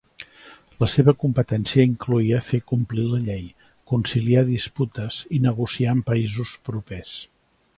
La seva competència incloïa fer complir la llei, conciliar disputes i negociar amb països propers.